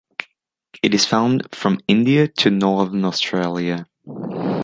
It is found from India to northern Australia.